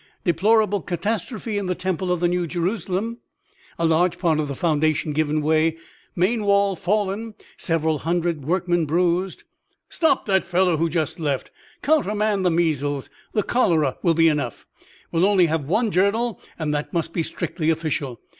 "Deplorable catastrophe in the temple of the New Jerusalem: a large part of the foundation given way, main wall fallen, several hundred workmen bruised." "Stop that fellow who just left; countermand the measles, the cholera will be enough; we will only have one journal, and that must be strictly official.